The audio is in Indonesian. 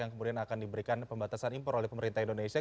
yang kemudian akan diberikan pembatasan impor oleh pemerintah indonesia